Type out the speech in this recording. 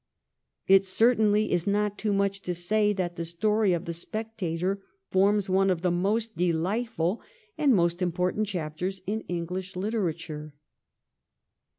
It certainly is not too much to say that the story of ' The Spectator ' forms one of the most delightful and most important chapters in English literature.